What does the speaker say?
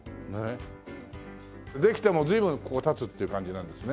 できてもう随分ここ経つっていう感じなんですね。